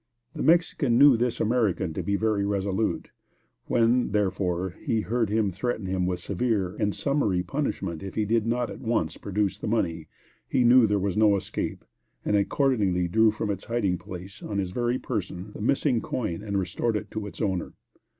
The Mexican knew this American to be very resolute; when, therefore, he heard him threaten him with severe and summary punishment if he did not, at once, produce the money, he knew there was no escape, and accordingly drew from its hiding place, on his person, the missing coin and restored it to its owner.